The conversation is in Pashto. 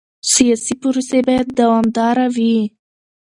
سیاسي پروسې باید دوامداره وي